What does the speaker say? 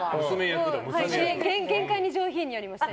限界に上品にやりました。